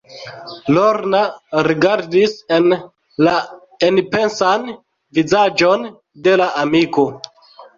Lorna rigardis en la enpensan vizaĝon de la amiko.